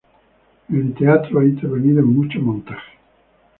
En teatro ha intervenido en muchos montajes.